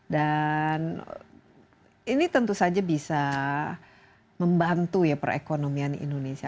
dan ini tentu saja bisa membantu ya perekonomian indonesia